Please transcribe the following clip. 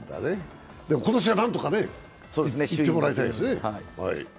今年は何とかいってもらいたいですね。